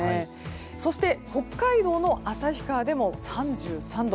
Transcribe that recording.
そして北海道の旭川でも３３度。